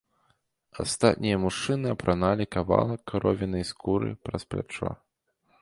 Астатнія мужчыны апраналі кавалак каровінай скуры праз плячо.